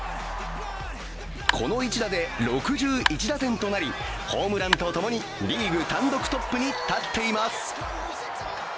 この一打で６１打点となりホームランとともにリーグ単独トップに立っています。